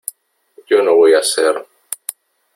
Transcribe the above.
yo no voy a ser